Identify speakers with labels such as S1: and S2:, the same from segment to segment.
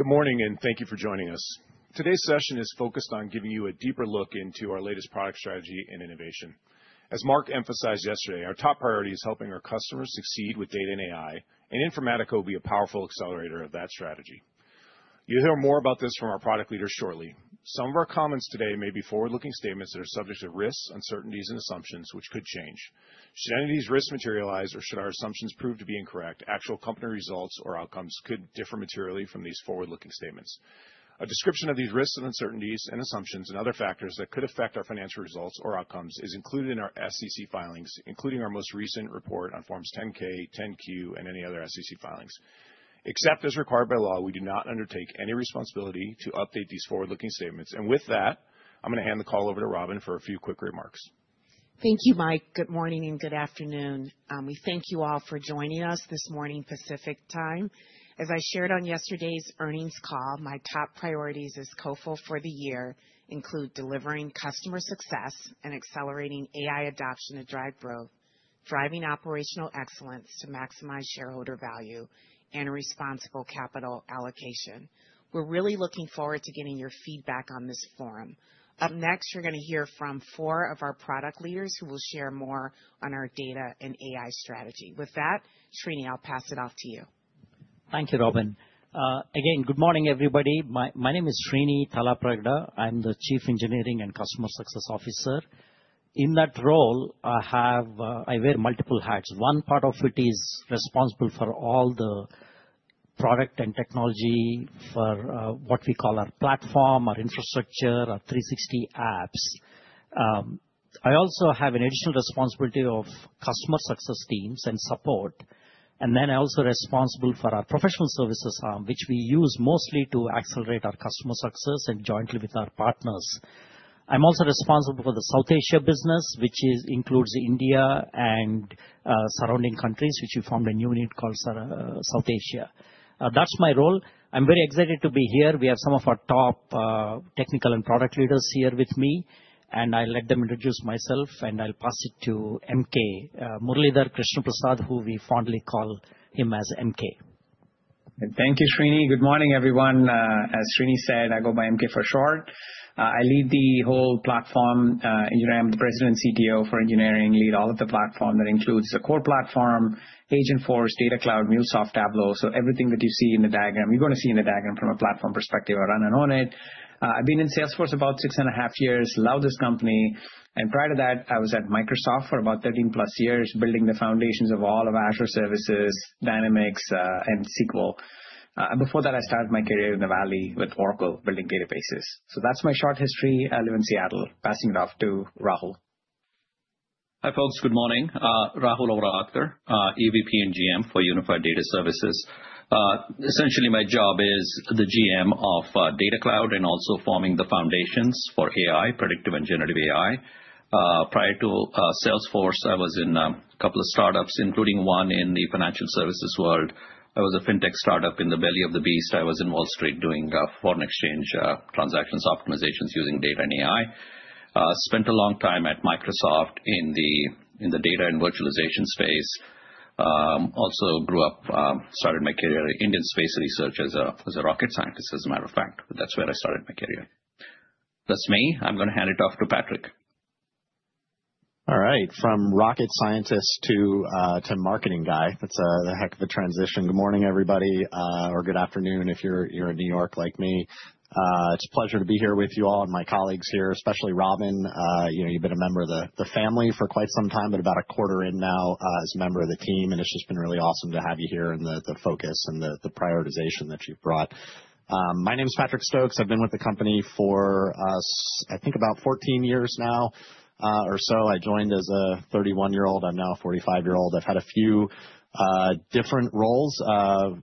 S1: Good morning, and thank you for joining us. Today's session is focused on giving you a deeper look into our latest product strategy and innovation. As Marc emphasized yesterday, our top priority is helping our customers succeed with data and AI, and Informatica will be a powerful accelerator of that strategy. You'll hear more about this from our product leaders shortly. Some of our comments today may be forward-looking statements that are subject to risks, uncertainties, and assumptions, which could change. Should any of these risks materialize, or should our assumptions prove to be incorrect, actual company results or outcomes could differ materially from these forward-looking statements. A description of these risks and uncertainties, and assumptions, and other factors that could affect our financial results or outcomes is included in our SEC filings, including our most recent report on Forms 10-K, 10-Q, and any other SEC filings. Except as required by law, we do not undertake any responsibility to update these forward-looking statements. With that, I'm going to hand the call over to Robin for a few quick remarks.
S2: Thank you, Mike. Good morning and good afternoon. We thank you all for joining us this morning Pacific time. As I shared on yesterday's earnings call, my top priorities as CFO for the year include delivering customer success and accelerating AI adoption to drive growth, driving operational excellence to maximize shareholder value, and responsible capital allocation. We're really looking forward to getting your feedback on this forum. Up next, you're going to hear from four of our product leaders who will share more on our data and AI strategy. With that, Srini, I'll pass it off to you.
S3: Thank you, Robin. Again, good morning, everybody. My name is Srini Tallapragada. I'm the Chief Engineering and Customer Success Officer. In that role, I wear multiple hats. One part of it is responsible for all the product and technology for what we call our platform, our infrastructure, our 360 apps. I also have an additional responsibility of customer success teams and support. I am also responsible for our professional services, which we use mostly to accelerate our customer success jointly with our partners. I am also responsible for the South Asia business, which includes India and surrounding countries, which we formed a new unit called South Asia. That's my role. I'm very excited to be here. We have some of our top technical and product leaders here with me. I'll let them introduce myself, and I'll pass it to MK Murlizar Krishna Prasad, who we fondly call him as MK.
S4: Thank you, Srini. Good morning, everyone. As Srini said, I go by MK for short. I lead the whole platform. I'm the President and CTO for Engineering. I lead all of the platform that includes the core platform, Agentforce, Data Cloud, MuleSoft, Tableau. Everything that you see in the diagram, you're going to see in the diagram from a platform perspective or running on it. I've been in Salesforce about six and a half years, love this company. Prior to that, I was at Microsoft for about 13 plus years, building the foundations of all of Azure services, Dynamics, and SQL. Before that, I started my career in the Valley with Oracle, building databases. That's my short history. I live in Seattle. Passing it off to Rahul.
S5: Hi, folks. Good morning. Rahul Auradhkar, AVP and GM for Unified Data Services. Essentially, my job is the GM of Data Cloud and also forming the foundations for AI, predictive and generative AI. Prior to Salesforce, I was in a couple of startups, including one in the financial services world. I was a fintech startup in the belly of the beast. I was in Wall Street doing foreign exchange transactions optimizations using data and AI. Spent a long time at Microsoft in the data and virtualization space. Also grew up, started my career in Indian space research as a rocket scientist, as a matter of fact. That's where I started my career. That's me. I'm going to hand it off to Patrick.
S6: All right. From rocket scientist to marketing guy, that's a heck of a transition. Good morning, everybody, or good afternoon if you're in New York like me. It's a pleasure to be here with you all and my colleagues here, especially Robin. You've been a member of the family for quite some time, but about a quarter in now as a member of the team. It's just been really awesome to have you here and the focus and the prioritization that you've brought. My name is Patrick Stokes. I've been with the company for, I think, about 14 years now or so. I joined as a 31-year-old. I'm now a 45-year-old. I've had a few different roles.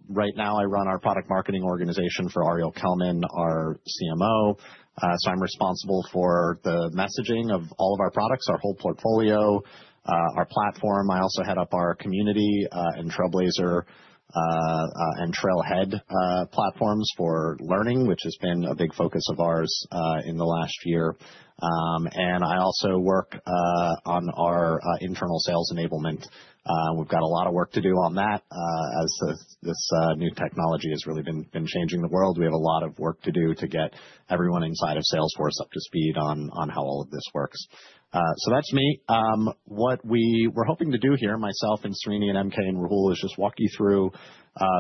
S6: Right now, I run our product marketing organization for Ariel Kelman, our CMO. I'm responsible for the messaging of all of our products, our whole portfolio, our platform. I also head up our community and Trailblazer and Trailhead platforms for learning, which has been a big focus of ours in the last year. I also work on our internal sales enablement. We've got a lot of work to do on that as this new technology has really been changing the world. We have a lot of work to do to get everyone inside of Salesforce up to speed on how all of this works. That's me. What we were hoping to do here, myself and Srini and MK and Rahul, is just walk you through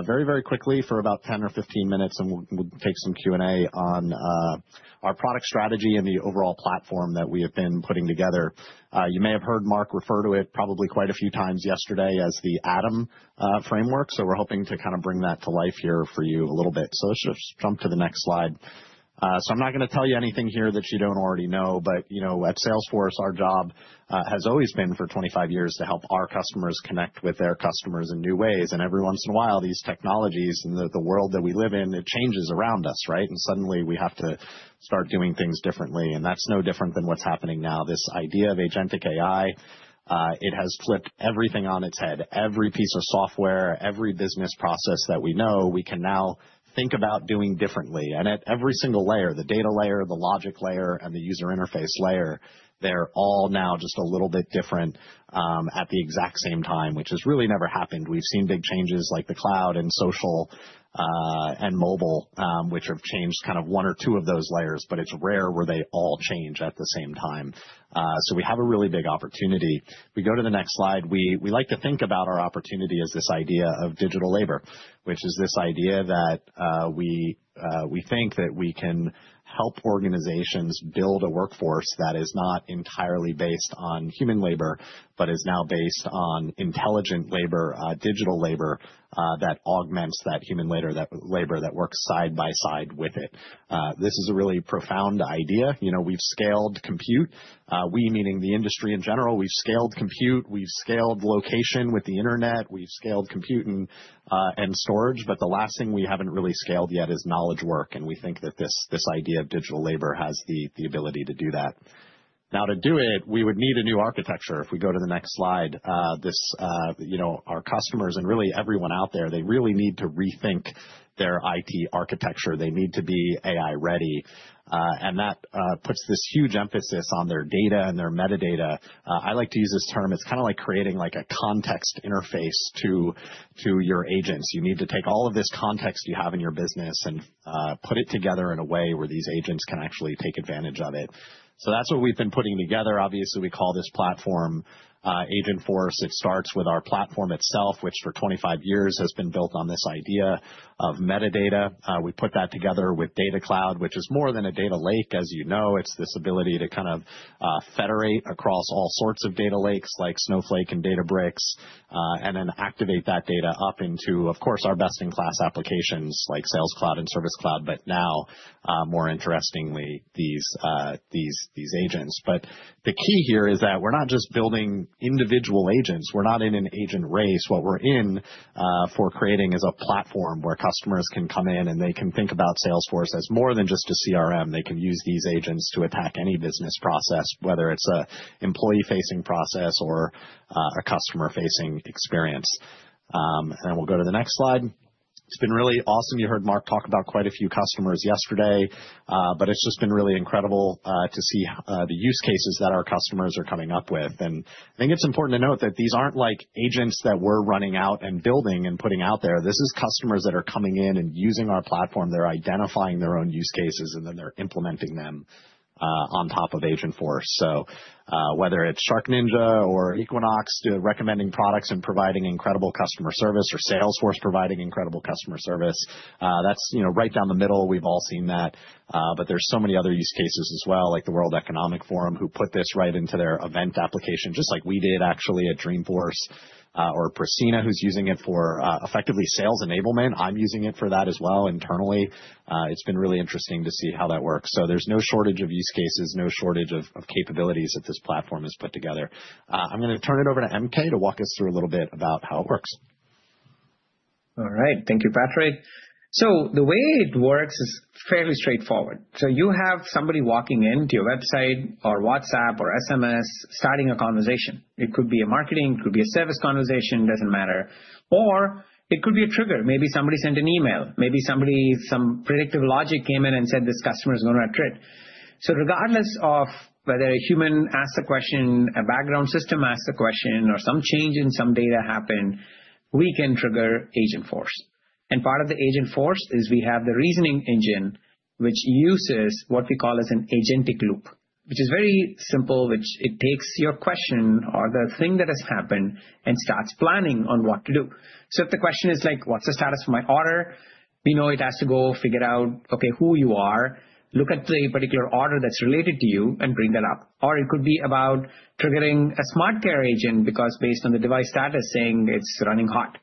S6: very, very quickly for about 10 or 15 minutes, and we'll take some Q&A on our product strategy and the overall platform that we have been putting together. You may have heard Mark refer to it probably quite a few times yesterday as the ADAM Framework. We're hoping to kind of bring that to life here for you a little bit. Let's just jump to the next slide. I'm not going to tell you anything here that you don't already know. At Salesforce, our job has always been for 25 years to help our customers connect with their customers in new ways. Every once in a while, these technologies and the world that we live in, it changes around us, right? Suddenly, we have to start doing things differently. That's no different than what's happening now. This idea of agentic AI, it has flipped everything on its head. Every piece of software, every business process that we know, we can now think about doing differently. At every single layer, the data layer, the logic layer, and the user interface layer, they're all now just a little bit different at the exact same time, which has really never happened. We've seen big changes like the cloud and social and mobile, which have changed kind of one or two of those layers. It is rare where they all change at the same time. We have a really big opportunity. If we go to the next slide, we like to think about our opportunity as this idea of digital labor, which is this idea that we think that we can help organizations build a workforce that is not entirely based on human labor, but is now based on intelligent labor, digital labor that augments that human labor that works side by side with it. This is a really profound idea. We've scaled compute, we meaning the industry in general. We've scaled compute. We've scaled location with the internet. We've scaled compute and storage. The last thing we haven't really scaled yet is knowledge work. We think that this idea of digital labor has the ability to do that. Now, to do it, we would need a new architecture. If we go to the next slide, our customers and really everyone out there, they really need to rethink their IT architecture. They need to be AI ready. That puts this huge emphasis on their data and their metadata. I like to use this term. It's kind of like creating a context interface to your agents. You need to take all of this context you have in your business and put it together in a way where these agents can actually take advantage of it. That's what we've been putting together. Obviously, we call this platform Agentforce. It starts with our platform itself, which for 25 years has been built on this idea of metadata. We put that together with Data Cloud, which is more than a data lake, as you know. It's this ability to kind of federate across all sorts of data lakes like Snowflake and Databricks and then activate that data up into, of course, our best-in-class applications like Sales Cloud and Service Cloud, but now, more interestingly, these agents. The key here is that we're not just building individual agents. We're not in an agent race. What we're in for creating is a platform where customers can come in, and they can think about Salesforce as more than just a CRM. They can use these agents to attack any business process, whether it's an employee-facing process or a customer-facing experience. We will go to the next slide. It's been really awesome. You heard Marc talk about quite a few customers yesterday. It's just been really incredible to see the use cases that our customers are coming up with. I think it's important to note that these aren't like agents that we're running out and building and putting out there. This is customers that are coming in and using our platform. They're identifying their own use cases, and they're implementing them on top of Agentforce. Whether it's SharkNinja or Equinox recommending products and providing incredible customer service or Salesforce providing incredible customer service, that's right down the middle. We've all seen that. There are so many other use cases as well, like the World Economic Forum, who put this right into their event application, just like we did actually at Dreamforce, or Priscina, who's using it for effectively sales enablement. I'm using it for that as well internally. It's been really interesting to see how that works. There is no shortage of use cases, no shortage of capabilities that this platform has put together. I'm going to turn it over to MK to walk us through a little bit about how it works.
S4: All right. Thank you, Patrick. The way it works is fairly straightforward. You have somebody walking into your website or WhatsApp or SMS starting a conversation. It could be a marketing. It could be a service conversation. It does not matter. It could be a trigger. Maybe somebody sent an email. Maybe some predictive logic came in and said this customer is going to retreat. Regardless of whether a human asks a question, a background system asks a question, or some change in some data happened, we can trigger Agentforce. Part of the Agentforce is we have the reasoning engine, which uses what we call as an agentic loop, which is very simple, which takes your question or the thing that has happened and starts planning on what to do. If the question is like, what's the status of my order, we know it has to go figure out, OK, who you are, look at the particular order that's related to you, and bring that up. It could be about triggering a smart care agent because based on the device status saying it's running hot.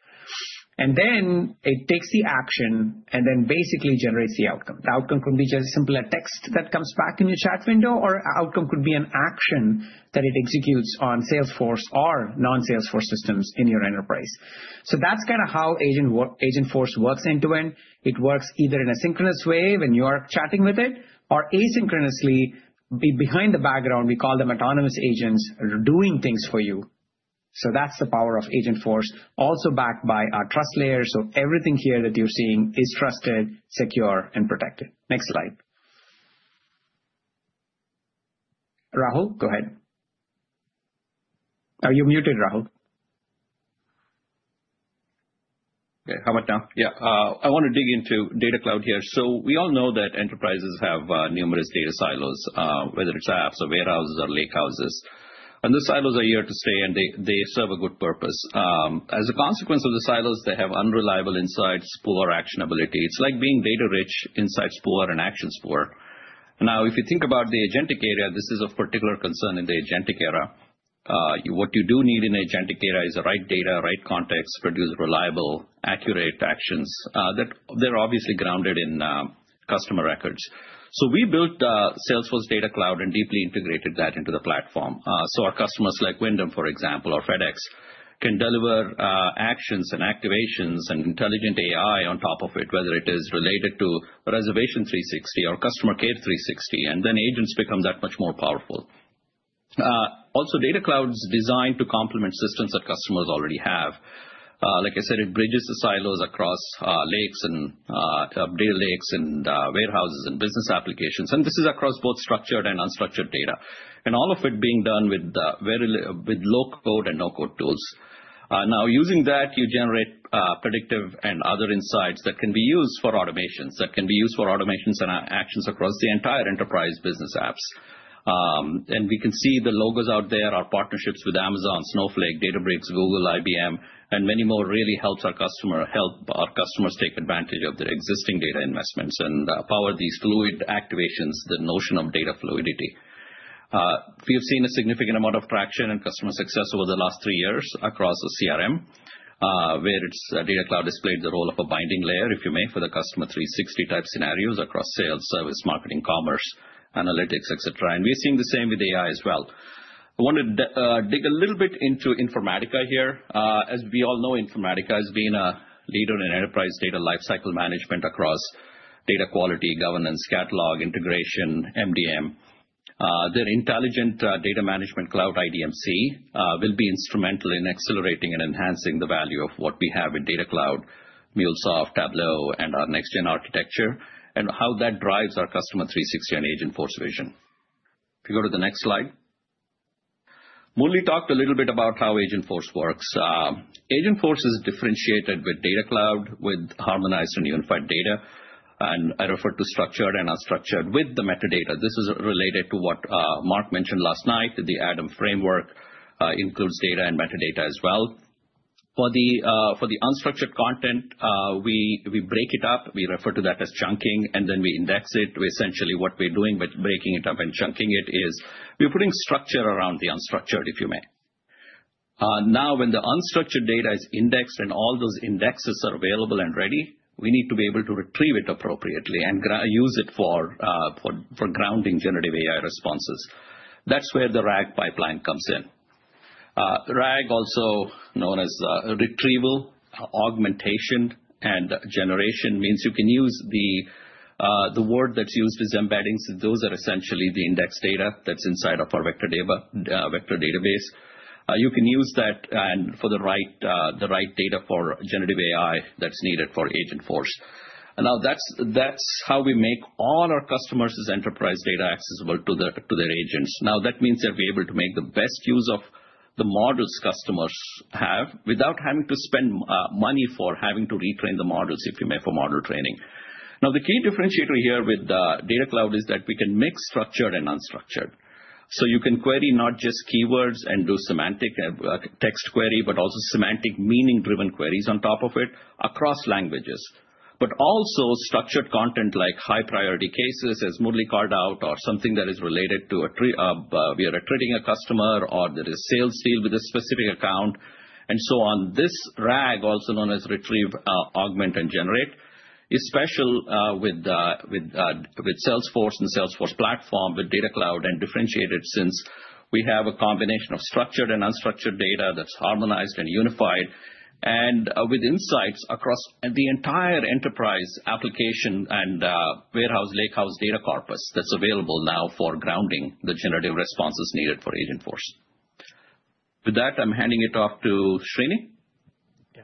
S4: It takes the action and then basically generates the outcome. The outcome could be just simple a text that comes back in your chat window, or an outcome could be an action that it executes on Salesforce or non-Salesforce systems in your enterprise. That's kind of how Agentforce works end to end. It works either in a synchronous way when you are chatting with it or asynchronously behind the background. We call them autonomous agents doing things for you. That is the power of Agentforce, also backed by our trust layer. Everything here that you are seeing is trusted, secure, and protected. Next slide. Rahul, go ahead. Are you muted, Rahul?
S5: Yeah, how about now? Yeah. I want to dig into Data Cloud here. We all know that enterprises have numerous data silos, whether it's apps, or warehouses, or lakehouses. Those silos are here to stay, and they serve a good purpose. As a consequence of the silos, they have unreliable insights, poor actionability. It's like being data rich, insights poor, and actions poor. Now, if you think about the agentic area, this is of particular concern in the agentic era. What you do need in the agentic era is the right data, right context, produce reliable, accurate actions that are obviously grounded in customer records. We built Salesforce Data Cloud and deeply integrated that into the platform. Our customers like Wyndham, for example, or FedEx can deliver actions and activations and intelligent AI on top of it, whether it is related to Reservation 360 or Customer Care 360. Then agents become that much more powerful. Also, Data Cloud is designed to complement systems that customers already have. Like I said, it bridges the silos across lakes and data lakes and warehouses and business applications. This is across both structured and unstructured data, and all of it being done with low-code and no-code tools. Now, using that, you generate predictive and other insights that can be used for automations and actions across the entire enterprise business apps. We can see the logos out there, our partnerships with Amazon, Snowflake, Databricks, Google, IBM, and many more really helps our customers take advantage of their existing data investments and power these fluid activations, the notion of data fluidity. We have seen a significant amount of traction and customer success over the last three years across the CRM, where Data Cloud has played the role of a binding layer, if you may, for the Customer 360 type scenarios across sales, service, marketing, commerce, analytics, et cetera. We are seeing the same with AI as well. I want to dig a little bit into Informatica here. As we all know, Informatica has been a leader in enterprise data lifecycle management across data quality, governance, catalog integration, MDM. Their Intelligent Data Management Cloud (IDMC) will be instrumental in accelerating and enhancing the value of what we have in Data Cloud, MuleSoft, Tableau, and our next-gen architecture, and how that drives our Customer 360 and Agentforce vision. If you go to the next slide, Moonli talked a little bit about how Agentforce works. Agentforce is differentiated with Data Cloud with harmonized and unified data. And I refer to structured and unstructured with the metadata. This is related to what Mark mentioned last night. The ADAM Framework includes data and metadata as well. For the unstructured content, we break it up. We refer to that as chunking, and then we index it. Essentially, what we're doing by breaking it up and chunking it is we're putting structure around the unstructured, if you may. Now, when the unstructured data is indexed and all those indexes are available and ready, we need to be able to retrieve it appropriately and use it for grounding generative AI responses. That is where the RAG pipeline comes in. RAG, also known as retrieval, augmentation, and generation, means you can use the word that is used as embeddings. Those are essentially the index data that is inside of our vector database. You can use that for the right data for generative AI that is needed for Agentforce. Now that is how we make all our customers' enterprise data accessible to their agents. Now, that means that we are able to make the best use of the models customers have without having to spend money for having to retrain the models, if you may, for model training. Now, the key differentiator here with Data Cloud is that we can mix structured and unstructured. You can query not just keywords and do semantic text query, but also semantic meaning-driven queries on top of it across languages, but also structured content like high-priority cases, as Moonli called out, or something that is related to where we are retreating a customer or there is a sales deal with a specific account and so on. This RAG, also known as retrieve, augment, and generate, is special with Salesforce and the Salesforce platform with Data Cloud and differentiated since we have a combination of structured and unstructured data that is harmonized and unified and with insights across the entire enterprise application and warehouse lakehouse data corpus that is available now for grounding the generative responses needed for Agentforce. With that, I'm handing it off to Srini. Yeah.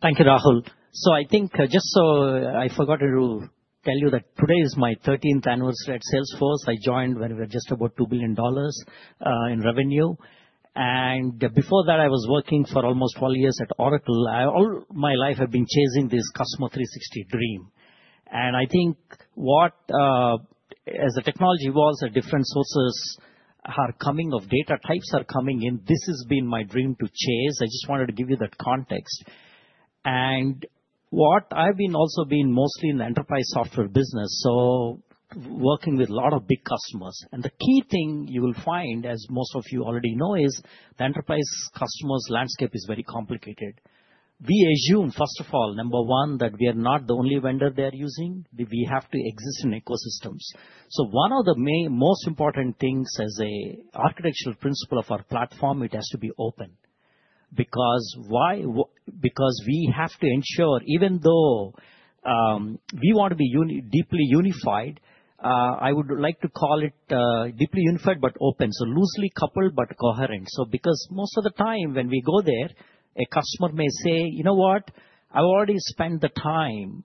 S3: Thank you, Rahul. I think just I forgot to tell you that today is my 13th anniversary at Salesforce. I joined when we were just about $2 billion in revenue. Before that, I was working for almost 12 years at Oracle. All my life, I've been chasing this customer 360 dream. I think as the technology evolves, different sources are coming, data types are coming in. This has been my dream to chase. I just wanted to give you that context. I've also been mostly in the enterprise software business, working with a lot of big customers. The key thing you will find, as most of you already know, is the enterprise customers' landscape is very complicated. We assume, first of all, number one, that we are not the only vendor they are using. We have to exist in ecosystems. One of the most important things as an architectural principle of our platform, it has to be open. Because why? Because we have to ensure, even though we want to be deeply unified, I would like to call it deeply unified but open, so loosely coupled but coherent. Because most of the time when we go there, a customer may say, you know what? I've already spent the time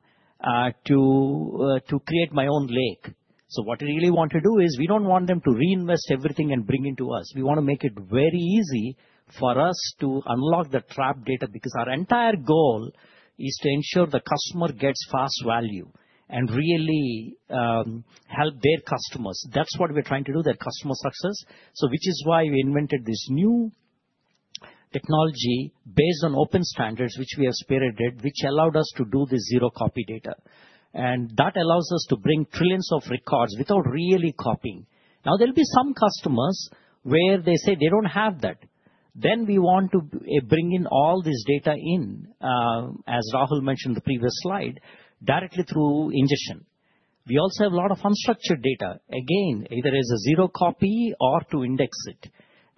S3: to create my own lake. What we really want to do is we don't want them to reinvest everything and bring it to us. We want to make it very easy for us to unlock the trap data. Because our entire goal is to ensure the customer gets fast value and really help their customers. That's what we're trying to do, that customer success, which is why we invented this new technology based on open standards, which we have spirited, which allowed us to do this zero-copy data. That allows us to bring trillions of records without really copying. There'll be some customers where they say they don't have that. We want to bring in all this data in, as Rahul mentioned in the previous slide, directly through ingestion. We also have a lot of unstructured data, again, either as a zero-copy or to index it.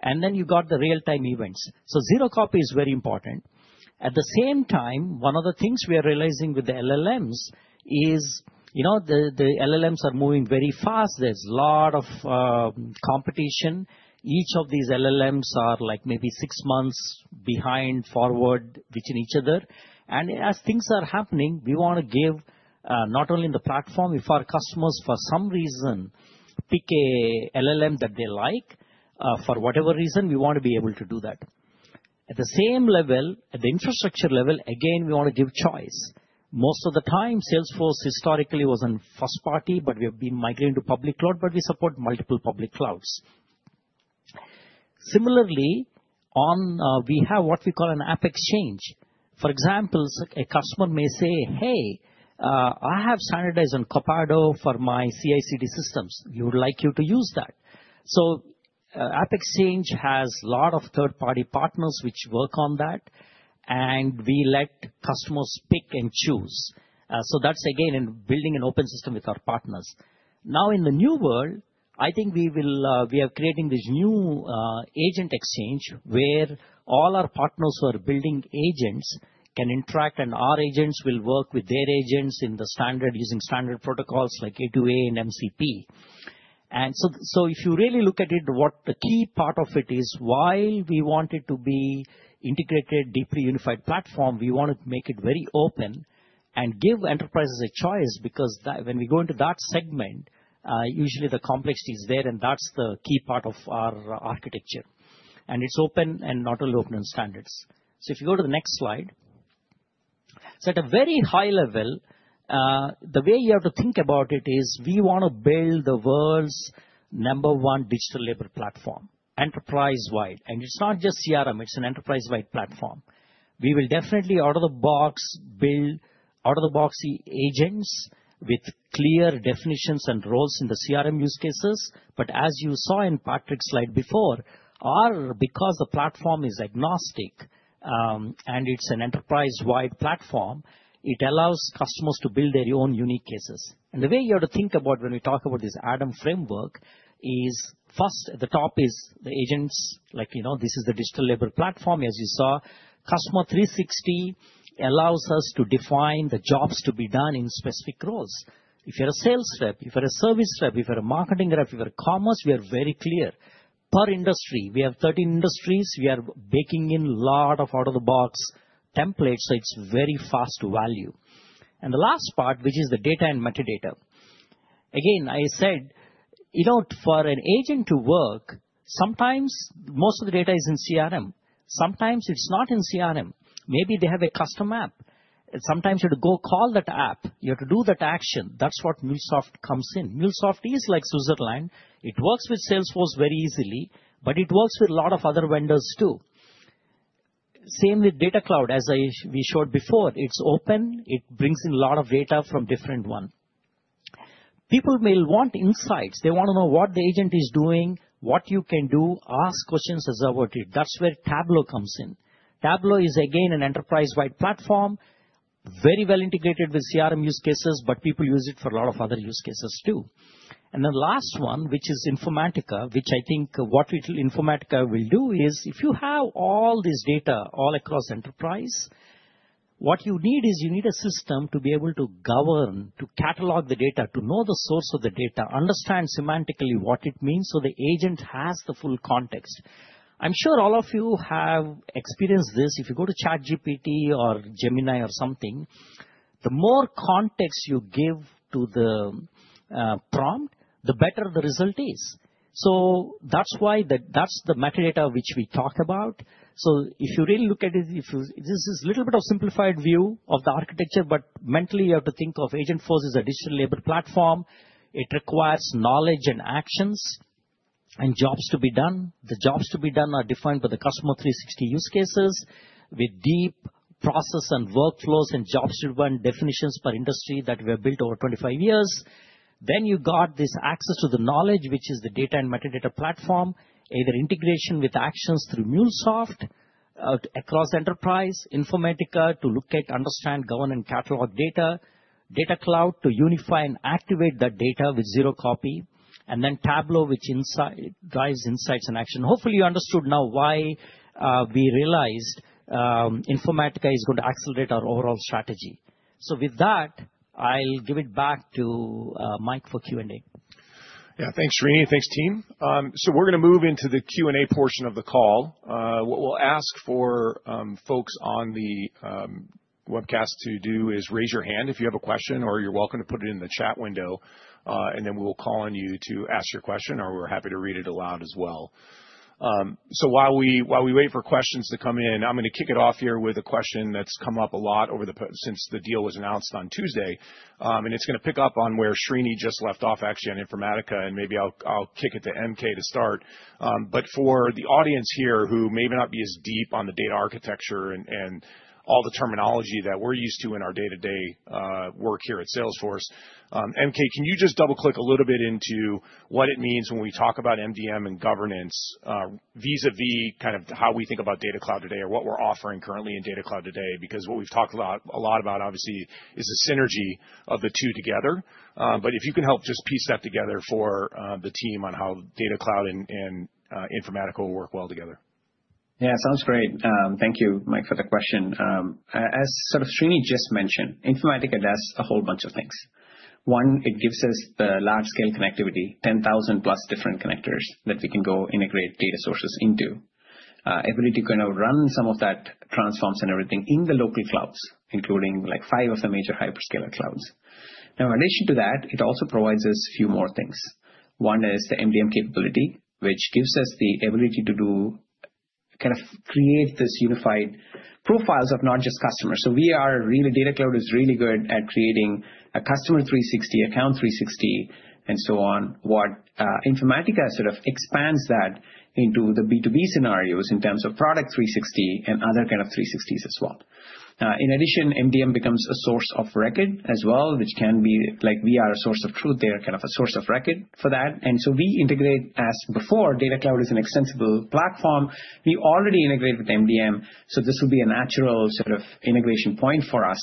S3: You have the real-time events. Zero-copy is very important. At the same time, one of the things we are realizing with the LLMs is the LLMs are moving very fast. There's a lot of competition. Each of these LLMs are like maybe six months behind, forward, which in each other. As things are happening, we want to give not only the platform. If our customers, for some reason, pick an LLM that they like for whatever reason, we want to be able to do that. At the same level, at the infrastructure level, again, we want to give choice. Most of the time, Salesforce historically was a first party, but we have been migrating to public cloud. We support multiple public clouds. Similarly, we have what we call an AppExchange. For example, a customer may say, hey, I have standardized on Copilot for my CI/CD systems. We would like you to use that. AppExchange has a lot of third-party partners which work on that. We let customers pick and choose. That is, again, building an open system with our partners. Now, in the new world, I think we are creating this new agent exchange where all our partners who are building agents can interact, and our agents will work with their agents using standard protocols like A2A and MCP. If you really look at it, what the key part of it is, while we want it to be an integrated, deeply unified platform, we want to make it very open and give enterprises a choice. Because when we go into that segment, usually the complexity is there, and that's the key part of our architecture. It's open and not only open on standards. If you go to the next slide, at a very high level, the way you have to think about it is we want to build the world's number one digital labor platform enterprise-wide. It's not just CRM. It's an enterprise-wide platform. We will definitely, out of the box, build out-of-the-box agents with clear definitions and roles in the CRM use cases. As you saw in Patrick's slide before, because the platform is agnostic and it is an enterprise-wide platform, it allows customers to build their own unique cases. The way you have to think about when we talk about this ADAM framework is first, at the top is the agents. This is the digital labor platform, as you saw. Customer 360 allows us to define the jobs to be done in specific roles. If you are a sales rep, if you are a service rep, if you are a marketing rep, if you are a commerce, we are very clear. Per industry, we have 13 industries. We are baking in a lot of out-of-the-box templates. It is very fast value. The last part, which is the data and metadata. Again, I said, for an agent to work, sometimes most of the data is in CRM. Sometimes it's not in CRM. Maybe they have a custom app. Sometimes you have to go call that app. You have to do that action. That's what MuleSoft comes in. MuleSoft is like Switzerland. It works with Salesforce very easily, but it works with a lot of other vendors too. Same with Data Cloud, as we showed before. It's open. It brings in a lot of data from different ones. People may want insights. They want to know what the agent is doing, what you can do, ask questions as they're wanted. That's where Tableau comes in. Tableau is, again, an enterprise-wide platform, very well integrated with CRM use cases, but people use it for a lot of other use cases too. The last one, which is Informatica, which I think what Informatica will do is if you have all this data all across enterprise, what you need is you need a system to be able to govern, to catalog the data, to know the source of the data, understand semantically what it means so the agent has the full context. I'm sure all of you have experienced this. If you go to ChatGPT or Gemini or something, the more context you give to the prompt, the better the result is. That is the metadata which we talk about. If you really look at it, this is a little bit of a simplified view of the architecture. Mentally, you have to think of Agentforce as a digital labor platform. It requires knowledge and actions and jobs to be done. The jobs to be done are defined by the Customer 360 use cases with deep process and workflows and jobs to be done definitions per industry that we have built over 25 years. Then you've got this access to the knowledge, which is the data and metadata platform, either integration with actions through MuleSoft across enterprise, Informatica to look at, understand, govern, and catalog data, Data Cloud to unify and activate that data with zero-copy, and then Tableau, which drives insights and action. Hopefully, you understood now why we realized Informatica is going to accelerate our overall strategy. With that, I'll give it back to Mike for Q&A.
S1: Yeah. Thanks, Srini. Thanks, team. We're going to move into the Q&A portion of the call. What we'll ask for folks on the webcast to do is raise your hand if you have a question, or you're welcome to put it in the chat window. Then we'll call on you to ask your question, or we're happy to read it aloud as well. While we wait for questions to come in, I'm going to kick it off here with a question that's come up a lot since the deal was announced on Tuesday. It's going to pick up on where Srini just left off, actually, on Informatica. Maybe I'll kick it to MK to start. For the audience here who may not be as deep on the data architecture and all the terminology that we're used to in our day-to-day work here at Salesforce, MK, can you just double-click a little bit into what it means when we talk about MDM and governance vis-à-vis kind of how we think about Data Cloud today or what we're offering currently in Data Cloud today? What we've talked a lot about, obviously, is the synergy of the two together. If you can help just piece that together for the team on how Data Cloud and Informatica will work well together.
S4: Yeah. Sounds great. Thank you, Mike, for the question. As Srini just mentioned, Informatica does a whole bunch of things. One, it gives us the large-scale connectivity, 10,000-plus different connectors that we can go integrate data sources into, ability to kind of run some of that transforms and everything in the local clouds, including five of the major hyperscale clouds. Now, in addition to that, it also provides us a few more things. One is the MDM capability, which gives us the ability to kind of create these unified profiles of not just customers. We are really Data Cloud is really good at creating a customer 360, account 360, and so on, what Informatica sort of expands that into the B2B scenarios in terms of product 360 and other kind of 360s as well. In addition, MDM becomes a source of record as well, which can be like we are a source of truth. They're kind of a source of record for that. We integrate, as before, Data Cloud is an extensible platform. We already integrate with MDM. This will be a natural sort of integration point for us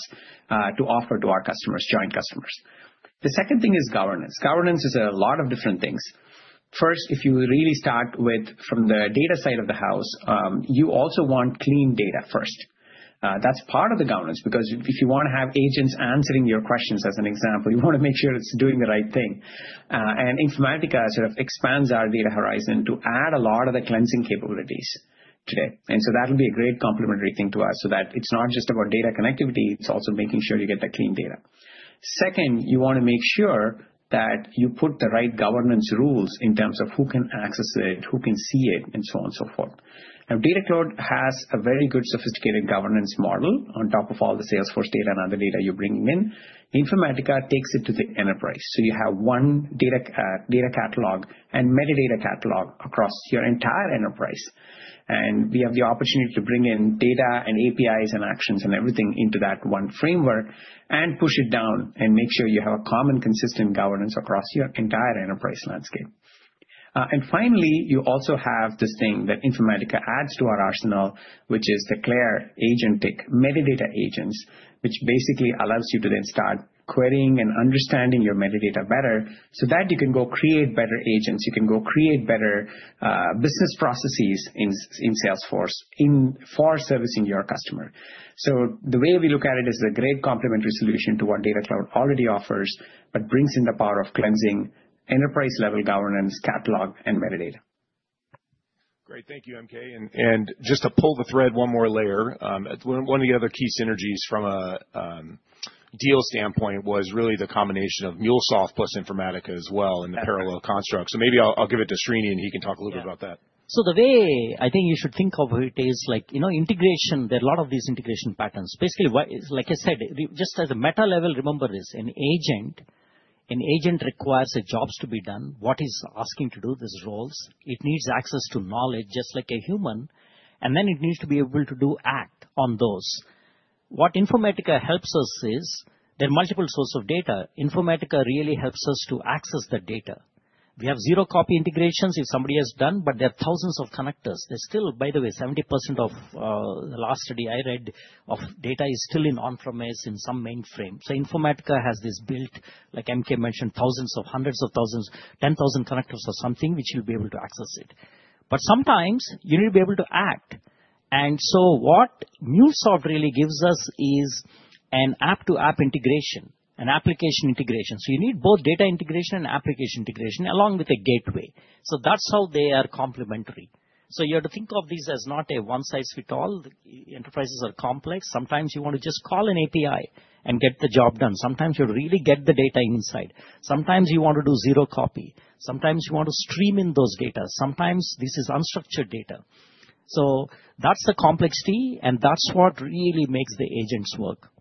S4: to offer to our customers, joint customers. The second thing is governance. Governance is a lot of different things. First, if you really start with from the data side of the house, you also want clean data first. That's part of the governance. Because if you want to have agents answering your questions, as an example, you want to make sure it's doing the right thing. Informatica sort of expands our data horizon to add a lot of the cleansing capabilities today. That will be a great complementary thing to us so that it's not just about data connectivity. It's also making sure you get the clean data. Second, you want to make sure that you put the right governance rules in terms of who can access it, who can see it, and so on and so forth. Now, Data Cloud has a very good sophisticated governance model on top of all the Salesforce data and other data you're bringing in. Informatica takes it to the enterprise. You have one data catalog and metadata catalog across your entire enterprise. We have the opportunity to bring in data and APIs and actions and everything into that one framework and push it down and make sure you have a common, consistent governance across your entire enterprise landscape. You also have this thing that Informatica adds to our arsenal, which is the CLAIRE agentic metadata agents, which basically allows you to then start querying and understanding your metadata better so that you can go create better agents. You can go create better business processes in Salesforce for servicing your customer. The way we look at it is a great complementary solution to what Data Cloud already offers but brings in the power of cleansing, enterprise-level governance, catalog, and metadata.
S1: Great. Thank you, MK. Just to pull the thread one more layer, one of the other key synergies from a deal standpoint was really the combination of MuleSoft plus Informatica as well in the parallel construct. Maybe I'll give it to Srini, and he can talk a little bit about that.
S3: The way I think you should think of it is integration. There are a lot of these integration patterns. Basically, like I said, just as a meta level, remember this. An agent requires jobs to be done. What is asking to do these roles? It needs access to knowledge, just like a human. It needs to be able to act on those. What Informatica helps us is there are multiple sources of data. Informatica really helps us to access the data. We have zero-copy integrations if somebody has done, but there are thousands of connectors. There is still, by the way, 70% of the last study I read of data is still in on-premise in some mainframe. Informatica has this built, like MK mentioned, thousands of hundreds of thousands, 10,000 connectors or something, which you will be able to access. Sometimes you need to be able to act. What MuleSoft really gives us is an app-to-app integration, an application integration. You need both data integration and application integration along with a gateway. That is how they are complementary. You have to think of these as not a one-size-fits-all. Enterprises are complex. Sometimes you want to just call an API and get the job done. Sometimes you really get the data inside. Sometimes you want to do zero-copy. Sometimes you want to stream in those data. Sometimes this is unstructured data. That is the complexity, and that is what really makes the agents work.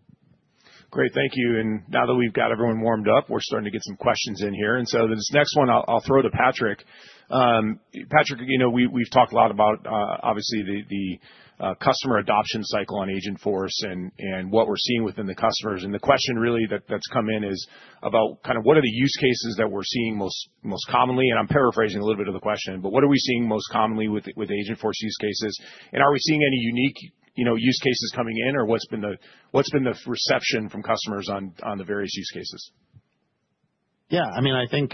S1: Great. Thank you. Now that we've got everyone warmed up, we're starting to get some questions in here. This next one, I'll throw to Patrick. Patrick, we've talked a lot about, obviously, the customer adoption cycle on Agentforce and what we're seeing within the customers. The question really that's come in is about kind of what are the use cases that we're seeing most commonly? I'm paraphrasing a little bit of the question, but what are we seeing most commonly with Agentforce use cases? Are we seeing any unique use cases coming in, or what's been the reception from customers on the various use cases?
S6: Yeah. I mean, I think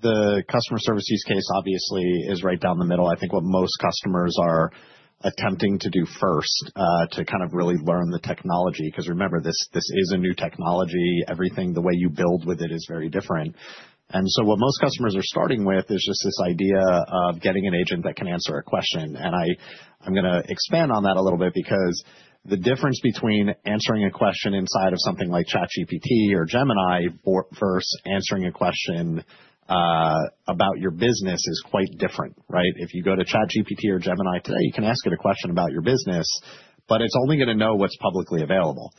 S6: the customer service use case, obviously, is right down the middle. I think what most customers are attempting to do first to kind of really learn the technology. Because remember, this is a new technology. Everything, the way you build with it, is very different. What most customers are starting with is just this idea of getting an agent that can answer a question. I'm going to expand on that a little bit because the difference between answering a question inside of something like ChatGPT or Gemini versus answering a question about your business is quite different. If you go to ChatGPT or Gemini today, you can ask it a question about your business, but it's only going to know what's publicly available.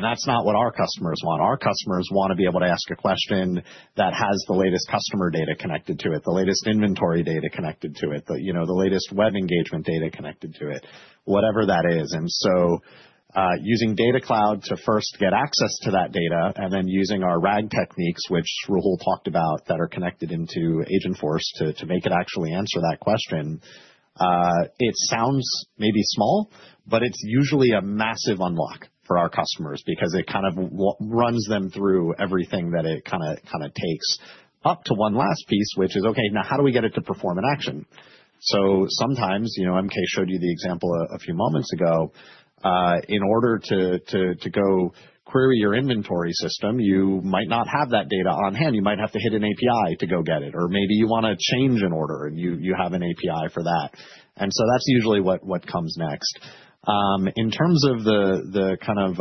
S6: That's not what our customers want. Our customers want to be able to ask a question that has the latest customer data connected to it, the latest inventory data connected to it, the latest web engagement data connected to it, whatever that is. Using Data Cloud to first get access to that data and then using our RAG techniques, which Rahul talked about, that are connected into Agentforce to make it actually answer that question, it sounds maybe small, but it's usually a massive unlock for our customers because it kind of runs them through everything that it kind of takes up to one last piece, which is, OK, now how do we get it to perform an action? Sometimes, MK showed you the example a few moments ago. In order to go query your inventory system, you might not have that data on hand. You might have to hit an API to go get it. Or maybe you want to change an order, and you have an API for that. That's usually what comes next. In terms of the kind of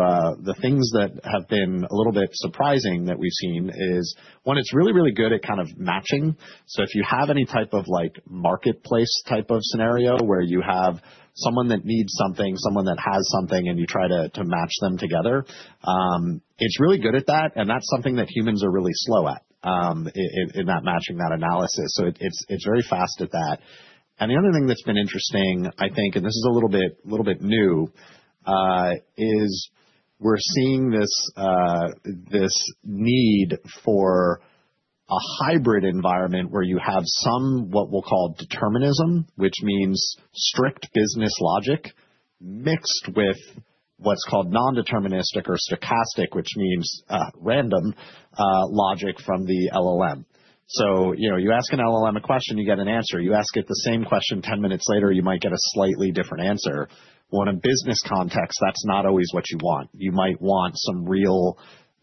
S6: things that have been a little bit surprising that we've seen is, one, it's really, really good at kind of matching. If you have any type of marketplace type of scenario where you have someone that needs something, someone that has something, and you try to match them together, it's really good at that. That's something that humans are really slow at in that matching, that analysis. It's very fast at that. The other thing that's been interesting, I think, and this is a little bit new, is we're seeing this need for a hybrid environment where you have some what we'll call determinism, which means strict business logic mixed with what's called non-deterministic or stochastic, which means random logic from the LLM. You ask an LLM a question, you get an answer. You ask it the same question 10 minutes later, you might get a slightly different answer. In a business context, that's not always what you want. You might want some real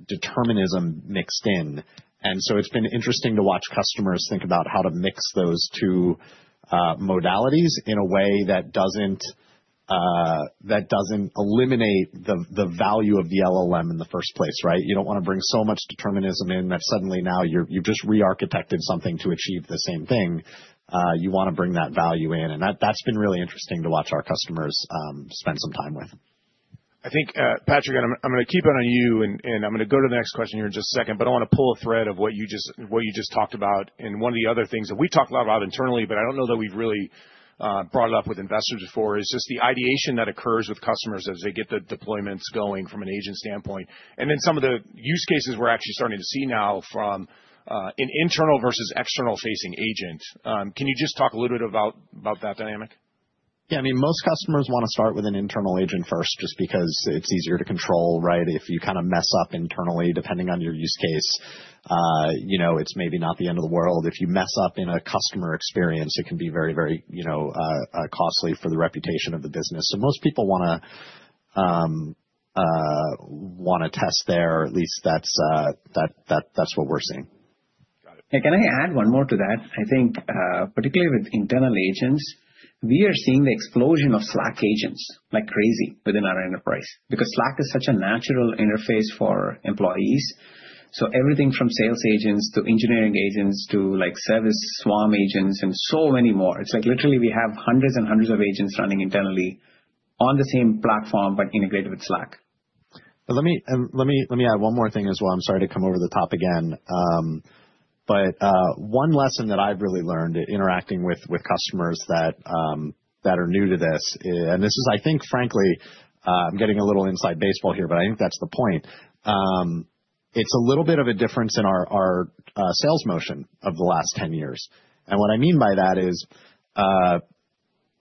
S6: determinism mixed in. It has been interesting to watch customers think about how to mix those two modalities in a way that doesn't eliminate the value of the LLM in the first place. You don't want to bring so much determinism in that suddenly now you've just re-architected something to achieve the same thing. You want to bring that value in. That's been really interesting to watch our customers spend some time with.
S1: I think, Patrick, I'm going to keep it on you. I'm going to go to the next question here in just a second. I want to pull a thread of what you just talked about. One of the other things that we talked a lot about internally, but I don't know that we've really brought it up with investors before, is just the ideation that occurs with customers as they get the deployments going from an agent standpoint. One of the use cases we're actually starting to see now is from an internal versus external-facing agent. Can you just talk a little bit about that dynamic?
S6: Yeah. I mean, most customers want to start with an internal agent first just because it's easier to control. If you kind of mess up internally, depending on your use case, it's maybe not the end of the world. If you mess up in a customer experience, it can be very, very costly for the reputation of the business. Most people want to test there. At least that's what we're seeing.
S1: Got it.
S4: Can I add one more to that? I think, particularly with internal agents, we are seeing the explosion of Slack agents like crazy within our enterprise because Slack is such a natural interface for employees. Everything from sales agents to engineering agents to service swarm agents and so many more. It is like literally we have hundreds and hundreds of agents running internally on the same platform but integrated with Slack.
S6: Let me add one more thing as well. I'm sorry to come over the top again. One lesson that I've really learned interacting with customers that are new to this, and this is, I think, frankly, I'm getting a little inside baseball here, but I think that's the point. It's a little bit of a difference in our sales motion of the last 10 years. What I mean by that is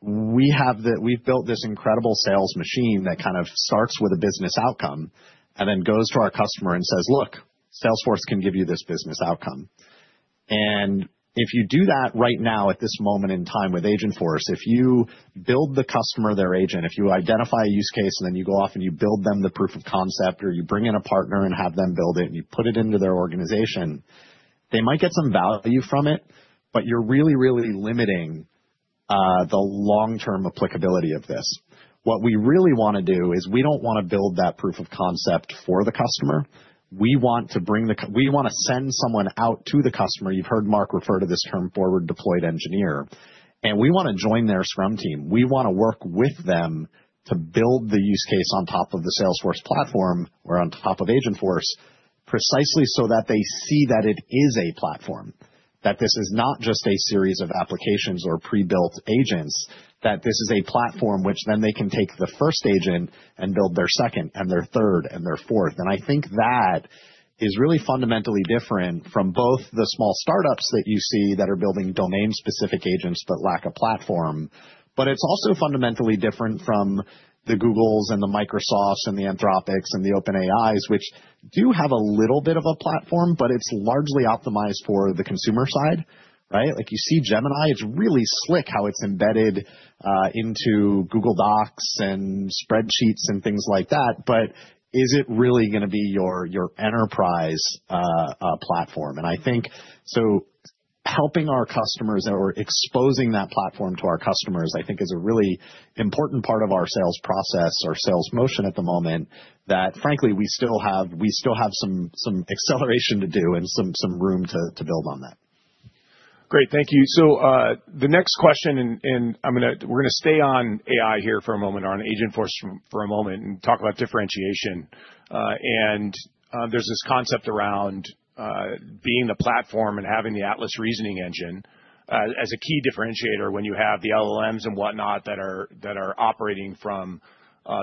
S6: we've built this incredible sales machine that kind of starts with a business outcome and then goes to our customer and says, look, Salesforce can give you this business outcome. If you do that right now at this moment in time with Agentforce, if you build the customer their agent, if you identify a use case, and then you go off and you build them the proof of concept, or you bring in a partner and have them build it, and you put it into their organization, they might get some value from it, but you're really, really limiting the long-term applicability of this. What we really want to do is we don't want to build that proof of concept for the customer. We want to bring the, we want to send someone out to the customer. You've heard Mark refer to this term forward-deployed engineer. We want to join their scrum team. We want to work with them to build the use case on top of the Salesforce platform or on top of Agentforce precisely so that they see that it is a platform, that this is not just a series of applications or pre-built agents, that this is a platform which then they can take the first agent and build their second and their third and their fourth. I think that is really fundamentally different from both the small startups that you see that are building domain-specific agents but lack a platform. It is also fundamentally different from the Googles and the Microsofts and the Anthropics and the OpenAIs, which do have a little bit of a platform, but it is largely optimized for the consumer side. Like you see Gemini, it is really slick how it is embedded into Google Docs and spreadsheets and things like that. Is it really going to be your enterprise platform? I think so. Helping our customers or exposing that platform to our customers, I think, is a really important part of our sales process, our sales motion at the moment. Frankly, we still have some acceleration to do and some room to build on that.
S1: Great. Thank you. The next question, and we're going to stay on AI here for a moment or on Agentforce for a moment and talk about differentiation. There's this concept around being the platform and having the Atlas Reasoning Engine as a key differentiator when you have the LLMs and whatnot that are operating from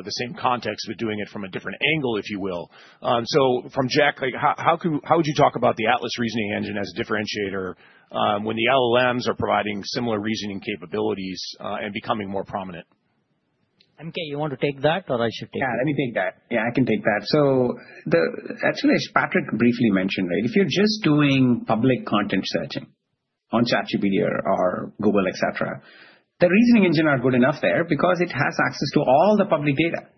S1: the same context but doing it from a different angle, if you will. From Jack, how would you talk about the Atlas Reasoning Engine as a differentiator when the LLMs are providing similar reasoning capabilities and becoming more prominent?
S6: MK, you want to take that, or I should take that?
S4: Yeah, let me take that. Yeah, I can take that. Actually, as Patrick briefly mentioned, if you're just doing public content searching on ChatGPT or Google, et cetera, the reasoning engine is good enough there because it has access to all the public data.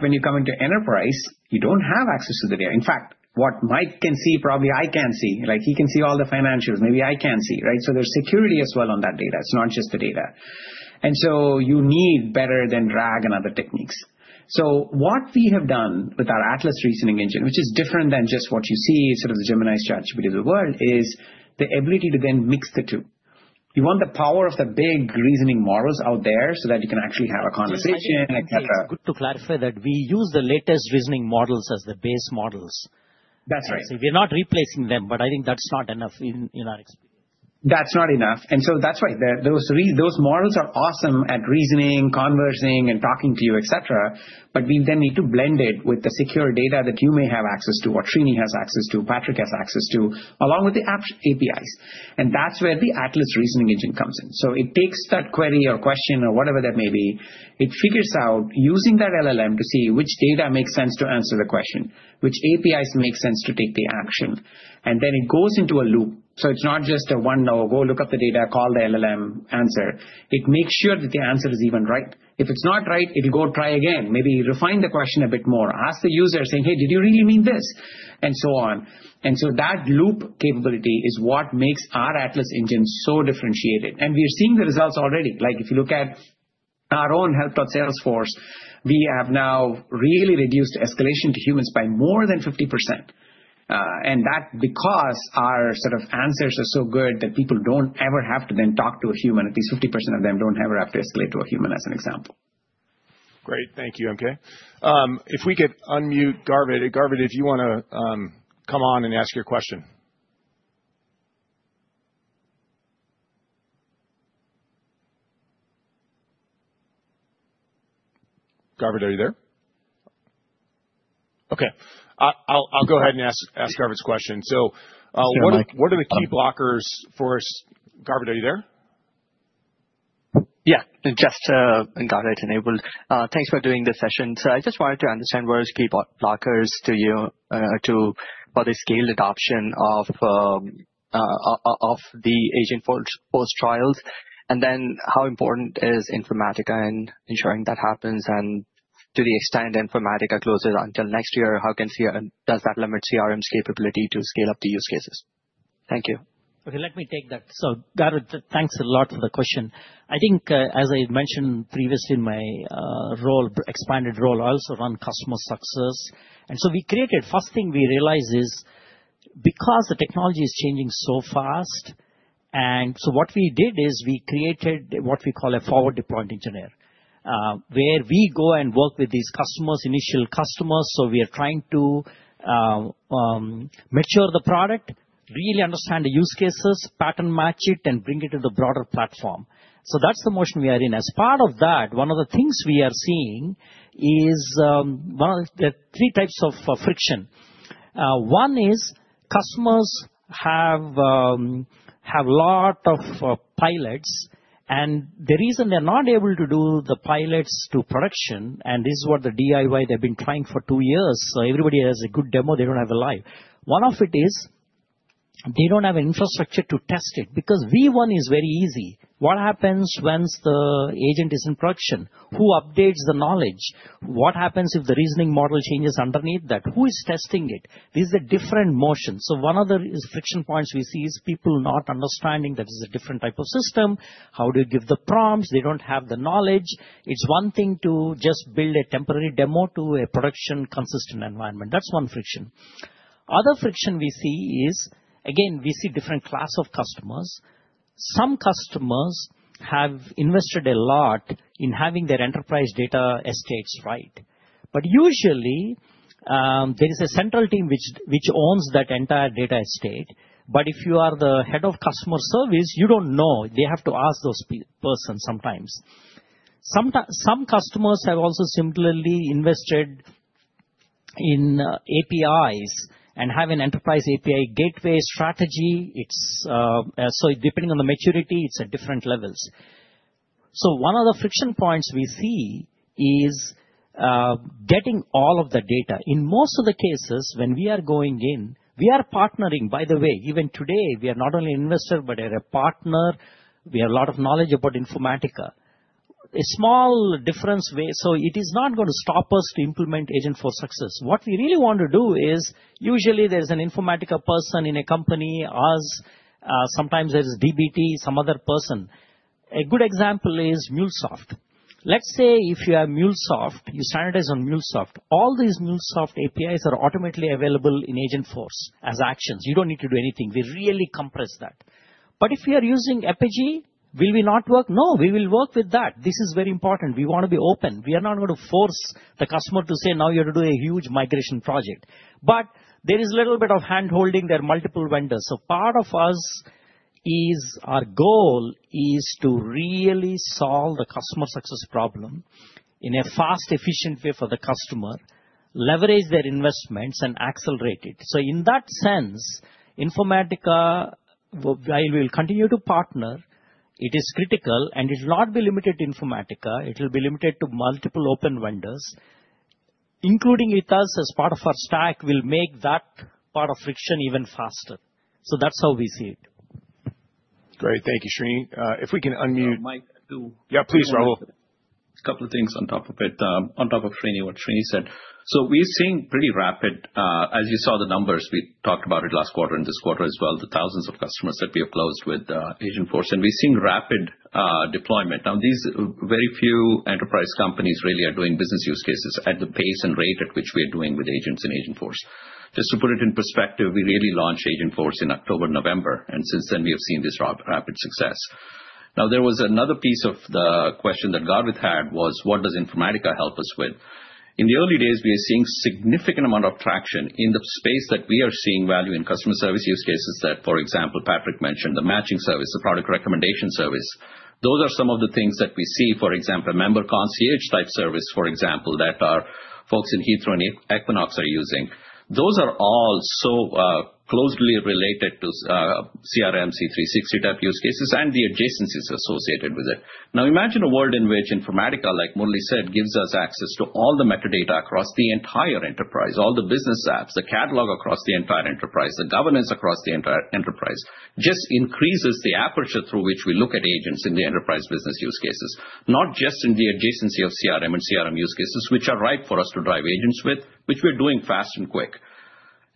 S4: When you come into enterprise, you do not have access to the data. In fact, what Mike can see, probably I can see. He can see all the financials. Maybe I can see. There is security as well on that data. It is not just the data. You need better than RAG and other techniques. What we have done with our Atlas Reasoning Engine, which is different than just what you see, sort of the Gemini's, ChatGPT of the world, is the ability to then mix the two. You want the power of the big reasoning models out there so that you can actually have a conversation, et cetera.
S6: It's good to clarify that we use the latest reasoning models as the base models.
S4: That's right.
S6: We're not replacing them, but I think that's not enough in our experience.
S4: That's not enough. That's why those models are awesome at reasoning, conversing, and talking to you, et cetera. We then need to blend it with the secure data that you may have access to, what Srini has access to, Patrick has access to, along with the app APIs. That's where the Atlas Reasoning Engine comes in. It takes that query or question or whatever that may be. It figures out using that LLM to see which data makes sense to answer the question, which APIs make sense to take the action. It goes into a loop. It's not just a one-note, go look up the data, call the LLM, answer. It makes sure that the answer is even right. If it's not right, it'll go try again. Maybe refine the question a bit more. Ask the user saying, hey, did you really mean this? And so on. That loop capability is what makes our Atlas engine so differentiated. We are seeing the results already. Like if you look at our own help.salesforce, we have now really reduced escalation to humans by more than 50%. That's because our sort of answers are so good that people do not ever have to then talk to a human. At least 50% of them do not ever have to escalate to a human as an example.
S1: Great. Thank you, MK. If we could unmute Garvan. Garvan, if you want to come on and ask your question. Garvan, are you there? OK. I'll go ahead and ask Garvan's question. What are the key blockers for us? Garvan, are you there?
S7: Yeah. Just Garvan enabled. Thanks for doing this session. I just wanted to understand what are the key blockers for the scaled adoption of the Agentforce trials? Then how important is Informatica in ensuring that happens? To the extent Informatica closes until next year, how does that limit CRM's capability to scale up the use cases? Thank you.
S3: OK, let me take that. Garvan, thanks a lot for the question. I think, as I mentioned previously in my expanded role, I also run customer success. We created, first thing we realized is because the technology is changing so fast. What we did is we created what we call a forward-deployed engineer, where we go and work with these customers, initial customers. We are trying to mature the product, really understand the use cases, pattern match it, and bring it to the broader platform. That is the motion we are in. As part of that, one of the things we are seeing is there are three types of friction. One is customers have a lot of pilots. The reason they are not able to do the pilots to production, and this is what the DIY they have been trying for two years. Everybody has a good demo. They don't have a live. One of it is they don't have an infrastructure to test it because V1 is very easy. What happens once the agent is in production? Who updates the knowledge? What happens if the reasoning model changes underneath that? Who is testing it? This is a different motion. One of the friction points we see is people not understanding that it's a different type of system. How do you give the prompts? They don't have the knowledge. It's one thing to just build a temporary demo to a production consistent environment. That's one friction. Other friction we see is, again, we see different class of customers. Some customers have invested a lot in having their enterprise data estates right. Usually, there is a central team which owns that entire data estate. If you are the head of customer service, you don't know. They have to ask those persons sometimes. Some customers have also similarly invested in APIs and have an enterprise API gateway strategy. Depending on the maturity, it's at different levels. One of the friction points we see is getting all of the data. In most of the cases, when we are going in, we are partnering. By the way, even today, we are not only an investor, but we are a partner. We have a lot of knowledge about Informatica. A small difference, so it is not going to stop us to implement Agentforce success. What we really want to do is usually there's an Informatica person in a company, us, sometimes there's DBT, some other person. A good example is MuleSoft. Let's say if you have MuleSoft, you standardize on MuleSoft. All these MuleSoft APIs are automatically available in Agentforce as actions. You do not need to do anything. We really compress that. If we are using EPAGY, will we not work? No, we will work with that. This is very important. We want to be open. We are not going to force the customer to say, now you have to do a huge migration project. There is a little bit of hand-holding. There are multiple vendors. Part of us is our goal is to really solve the customer success problem in a fast, efficient way for the customer, leverage their investments, and accelerate it. In that sense, Informatica, while we will continue to partner, it is critical. It will not be limited to Informatica. It will be limited to multiple open vendors, including with us as part of our stack, will make that part of friction even faster. That is how we see it.
S1: Great. Thank you, Srini. If we can unmute.
S3: Yeah, please, Rahul.
S5: A couple of things on top of Srini, what Srini said. We're seeing pretty rapid, as you saw the numbers we talked about last quarter and this quarter as well, the thousands of customers that we have closed with Agentforce. We're seeing rapid deployment. Now, these very few enterprise companies really are doing business use cases at the pace and rate at which we are doing with agents in Agentforce. Just to put it in perspective, we really launched Agentforce in October, November. Since then, we have seen this rapid success. There was another piece of the question that Garvan had was, what does Informatica help us with? In the early days, we are seeing a significant amount of traction in the space that we are seeing value in customer service use cases that, for example, Patrick mentioned, the matching service, the product recommendation service. Those are some of the things that we see, for example, a member concierge type service, for example, that our folks in Heathrow and Equinox are using. Those are all so closely related to CRM, C360 type use cases and the adjacencies associated with it. Now, imagine a world in which Informatica, like Murlizar said, gives us access to all the metadata across the entire enterprise, all the business apps, the catalog across the entire enterprise, the governance across the entire enterprise. Just increases the aperture through which we look at agents in the enterprise business use cases, not just in the adjacency of CRM and CRM use cases, which are right for us to drive agents with, which we're doing fast and quick.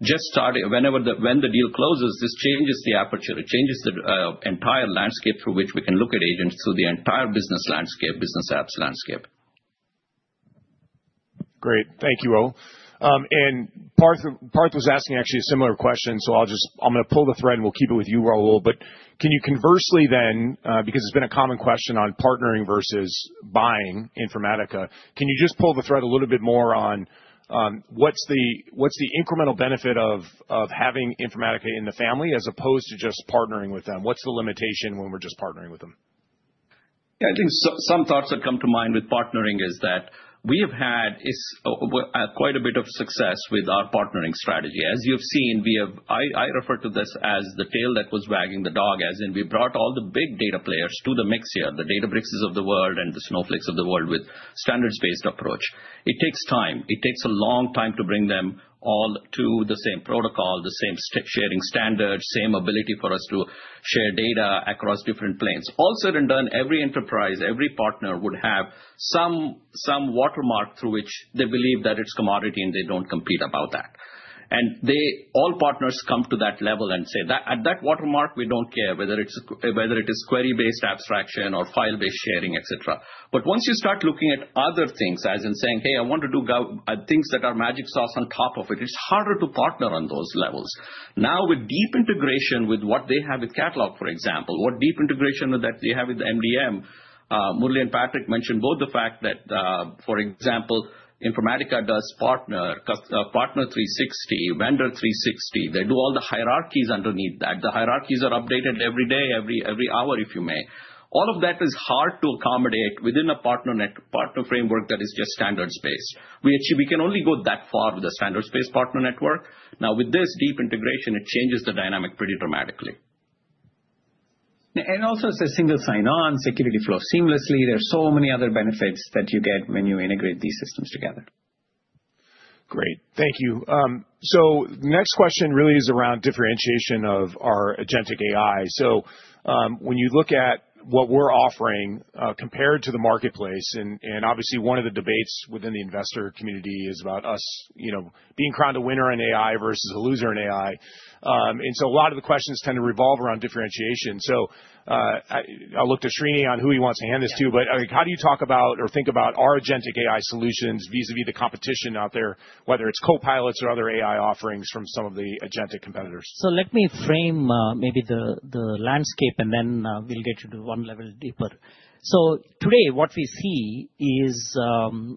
S5: Just start when the deal closes, this changes the aperture. It changes the entire landscape through which we can look at agents through the entire business landscape, business apps landscape.
S1: Great. Thank you, Rahul. Parth was asking actually a similar question. I am going to pull the thread and we will keep it with you, Rahul. Can you conversely then, because it has been a common question on partnering versus buying Informatica, just pull the thread a little bit more on what is the incremental benefit of having Informatica in the family as opposed to just partnering with them? What is the limitation when we are just partnering with them?
S5: Yeah, I think some thoughts that come to mind with partnering is that we have had quite a bit of success with our partnering strategy. As you've seen, I refer to this as the tail that was wagging the dog, as in we brought all the big data players to the mix here, the Databricks of the world and the Snowflake of the world with a standards-based approach. It takes time. It takes a long time to bring them all to the same protocol, the same sharing standards, same ability for us to share data across different planes. Also, in turn, every enterprise, every partner would have some watermark through which they believe that it's commodity and they don't compete about that. All partners come to that level and say, at that watermark, we don't care whether it is query-based abstraction or file-based sharing, et cetera. Once you start looking at other things, as in saying, hey, I want to do things that are magic sauce on top of it, it's harder to partner on those levels. Now, with deep integration with what they have with Catalog, for example, what deep integration that they have with MDM, Murlizar and Patrick mentioned both the fact that, for example, Informatica does Partner 360, Vendor 360. They do all the hierarchies underneath that. The hierarchies are updated every day, every hour, if you may. All of that is hard to accommodate within a partner framework that is just standards-based. We can only go that far with a standards-based partner network. Now, with this deep integration, it changes the dynamic pretty dramatically. It is also a single sign-on, security flows seamlessly. There are so many other benefits that you get when you integrate these systems together.
S1: Great. Thank you. The next question really is around differentiation of our agentic AI. When you look at what we are offering compared to the marketplace, and obviously one of the debates within the investor community is about us being crowned a winner in AI versus a loser in AI. A lot of the questions tend to revolve around differentiation. I will look to Srini on who he wants to hand this to. How do you talk about or think about our agentic AI solutions vis-à-vis the competition out there, whether it is copilots or other AI offerings from some of the agentic competitors?
S3: Let me frame maybe the landscape and then we'll get you to one level deeper. Today, what we see is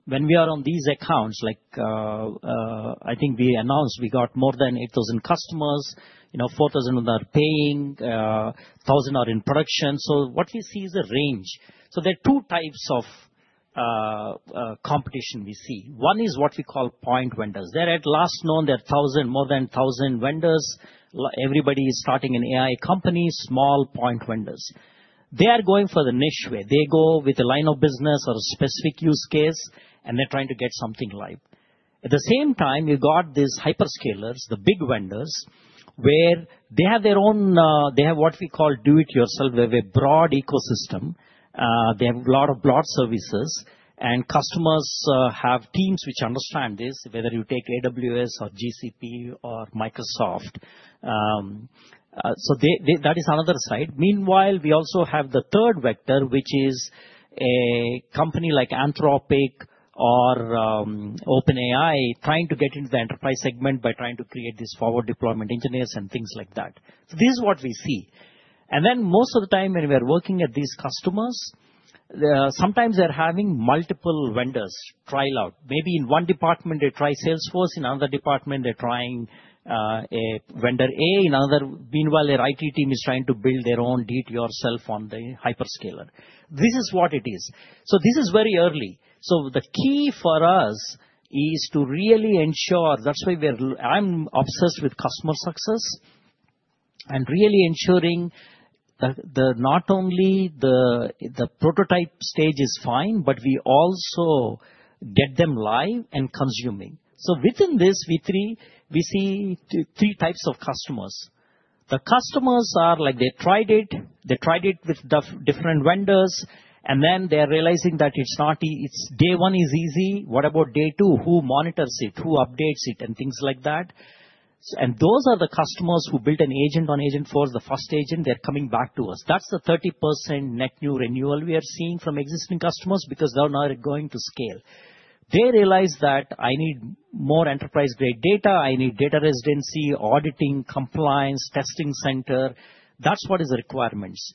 S3: when we are on these accounts, like I think we announced we got more than 8,000 customers, 4,000 that are paying, 1,000 are in production. What we see is a range. There are two types of competition we see. One is what we call point vendors. At last known, there are 1,000, more than 1,000 vendors. Everybody is starting an AI company, small point vendors. They are going for the niche way. They go with a line of business or a specific use case, and they're trying to get something live. At the same time, we've got these hyperscalers, the big vendors, where they have their own, they have what we call do-it-yourself, they have a broad ecosystem. They have a lot of block services. Customers have teams which understand this, whether you take AWS or GCP or Microsoft. That is another side. Meanwhile, we also have the third vector, which is a company like Anthropic or OpenAI trying to get into the enterprise segment by trying to create these forward-deployment engineers and things like that. This is what we see. Most of the time when we are working at these customers, sometimes they're having multiple vendors trial out. Maybe in one department, they try Salesforce. In another department, they're trying a vendor A. Meanwhile, their IT team is trying to build their own DIY on the hyperscaler. This is what it is. This is very early. The key for us is to really ensure, that's why I'm obsessed with customer success and really ensuring not only the prototype stage is fine, but we also get them live and consuming. Within this V3, we see three types of customers. The customers are like, they tried it. They tried it with different vendors. They're realizing that it's not, day one is easy. What about day two? Who monitors it? Who updates it? Things like that. Those are the customers who built an agent on Agentforce, the first agent. They're coming back to us. That's the 30% net new renewal we are seeing from existing customers because they're now going to scale. They realize that I need more enterprise-grade data. I need data residency, auditing, compliance, testing center. That is what is the requirements.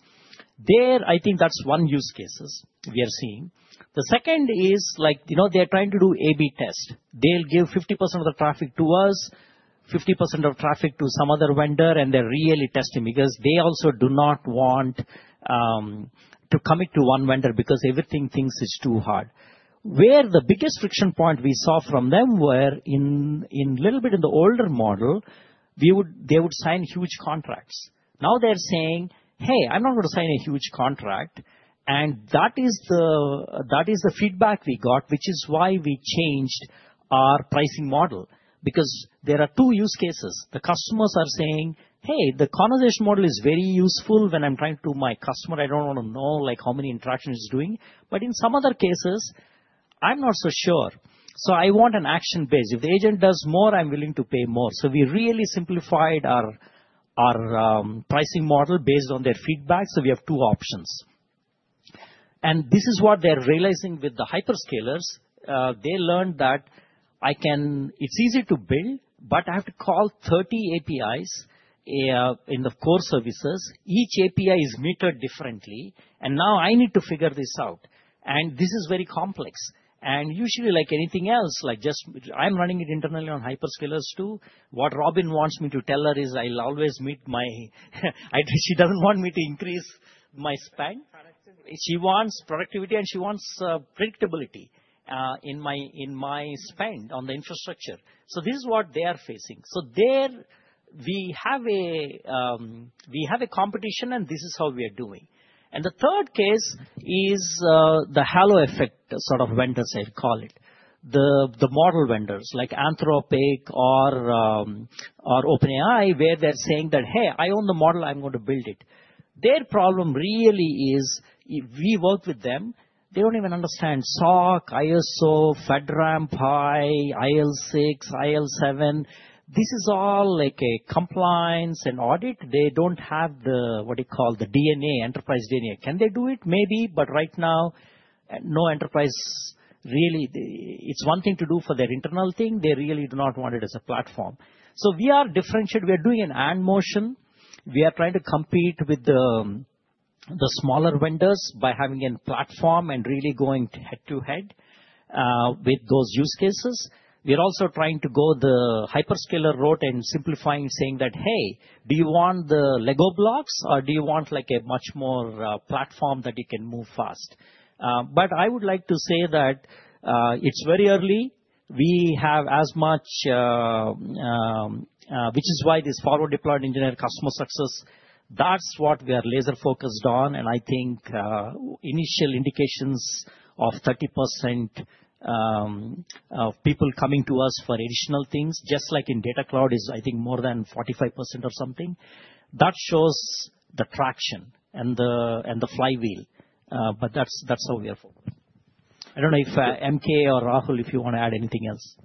S3: There, I think that's one use case we are seeing. The second is like they're trying to do A/B test. They'll give 50% of the traffic to us, 50% of traffic to some other vendor, and they're really testing because they also do not want to commit to one vendor because everything thinks it's too hard. Where the biggest friction point we saw from them were in a little bit in the older model, they would sign huge contracts. Now they're saying, hey, I'm not going to sign a huge contract. And that is the feedback we got, which is why we changed our pricing model because there are two use cases. The customers are saying, hey, the conversation model is very useful when I'm trying to do my customer. I don't want to know how many interactions he's doing. But in some other cases, I'm not so sure. So I want an action base. If the agent does more, I'm willing to pay more. We really simplified our pricing model based on their feedback. We have two options. This is what they're realizing with the hyperscalers. They learned that it's easy to build, but I have to call 30 APIs in the core services. Each API is metered differently. I need to figure this out. This is very complex. Usually, like anything else, like just I'm running it internally on hyperscalers too. What Robin wants me to tell her is I'll always meet my she doesn't want me to increase my spend. She wants productivity and she wants predictability in my spend on the infrastructure. This is what they are facing. We have a competition, and this is how we are doing. The third case is the halo effect sort of vendors, I call it. The model vendors like Anthropic or OpenAI, where they're saying that, hey, I own the model. I'm going to build it. Their problem really is we work with them. They don't even understand SOC, ISO, FedRAMP high, IL6, IL7. This is all like a compliance and audit. They don't have what we call the DNA, enterprise DNA. Can they do it? Maybe. Right now, no enterprise really. It's one thing to do for their internal thing. They really do not want it as a platform. We are differentiated. We are doing an AND motion. We are trying to compete with the smaller vendors by having a platform and really going head to head with those use cases. We're also trying to go the hyperscaler route and simplifying, saying that, hey, do you want the Lego blocks or do you want a much more platform that you can move fast? I would like to say that it's very early. We have as much, which is why this forward-deployed engineer customer success, that's what we are laser-focused on. I think initial indications of 30% of people coming to us for additional things, just like in Data Cloud is, I think, more than 45% or something. That shows the traction and the flywheel. That's how we are focused. I don't know if MK or Rahul, if you want to add anything else.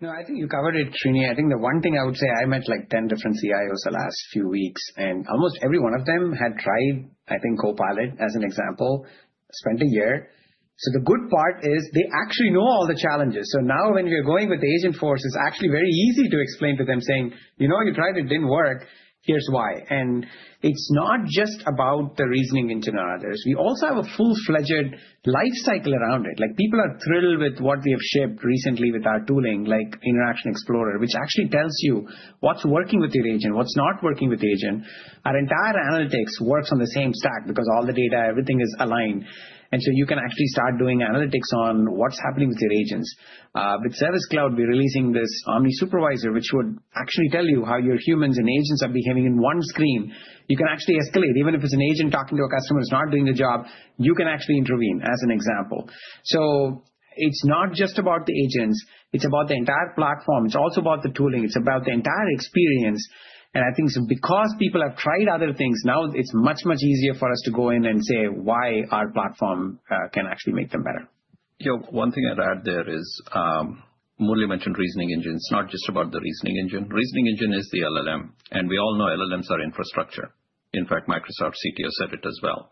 S4: No, I think you covered it, Srini. I think the one thing I would say, I met like 10 different CIOs the last few weeks. Almost every one of them had tried, I think, Copilot as an example, spent a year. The good part is they actually know all the challenges. Now when we are going with the Agentforce, it's actually very easy to explain to them saying, you know, you tried it, it did not work. Here's why. It's not just about the reasoning engine or others. We also have a full-fledged lifecycle around it. People are thrilled with what we have shipped recently with our tooling, like Interaction Explorer, which actually tells you what's working with your agent, what's not working with the agent. Our entire analytics works on the same stack because all the data, everything is aligned. You can actually start doing analytics on what's happening with your agents. With Service Cloud, we're releasing this Omni Supervisor, which would actually tell you how your humans and agents are behaving in one screen. You can actually escalate. Even if it's an agent talking to a customer who's not doing the job, you can actually intervene as an example. It's not just about the agents. It's about the entire platform. It's also about the tooling. It's about the entire experience. I think because people have tried other things, now it's much, much easier for us to go in and say why our platform can actually make them better.
S5: Yeah, one thing I'd add there is Murlizar mentioned reasoning engine. It's not just about the reasoning engine. Reasoning engine is the LLM. And we all know LLMs are infrastructure. In fact, Microsoft CTO said it as well.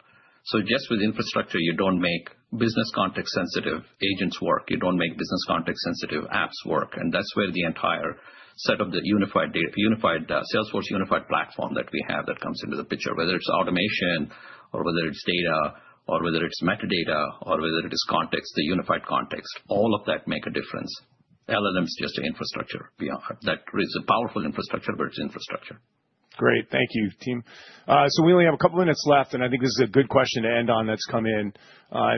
S5: Just with infrastructure, you don't make business context-sensitive agents work. You don't make business context-sensitive apps work. That's where the entire set of the Salesforce Unified Platform that we have comes into the picture, whether it's automation or whether it's data or whether it's metadata or whether it is context, the unified context, all of that makes a difference. LLM is just infrastructure. That is a powerful infrastructure, but it's infrastructure.
S1: Great. Thank you, team. We only have a couple of minutes left. I think this is a good question to end on that's come in.